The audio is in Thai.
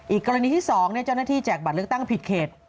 อีกกรณีที่๒จ้อนาธิแบบจากบัตรเลือกตั้งผิดเขต